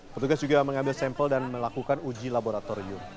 petugas juga mengambil sampel dan melakukan uji laboratorium